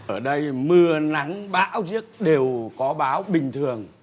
ở đây mưa nắng bão giếc đều có báo bình thường